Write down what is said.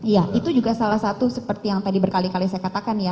ya itu juga salah satu seperti yang tadi berkali kali saya katakan ya